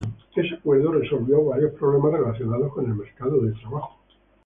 Ese acuerdo resolvió varios problemas relacionados con el mercado del trabajo.